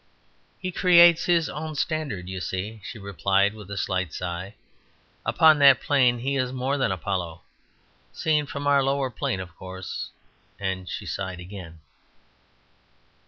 "He creates his own standard, you see," she replied, with a slight sigh. "Upon that plane he is more than Apollo. Seen from our lower plane, of course " And she sighed again.